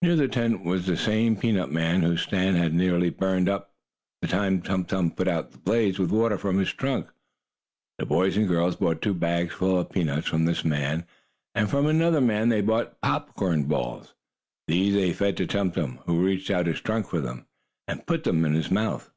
Near the tent was the same peanut man whose stand had nearly burned up the time Tum Tum put out the blaze with water from his trunk. The boy and girl bought two bags full of peanuts from this man, and from another man they bought popcorn balls. These they fed to Tum Tum, who reached out his trunk for them, and put them into his mouth.